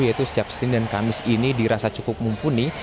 yaitu setiap senin dan kamis ini dirasa cukup mumpuni